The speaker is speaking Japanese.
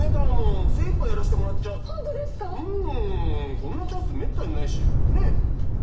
こんなチャンスめったにないしねぇ？